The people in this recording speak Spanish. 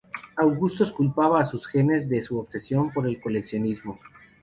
Augustus culpaba a sus genes de su obsesión por el coleccionismo.